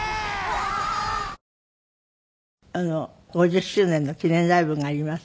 わぁ５０周年の記念ライブがあります。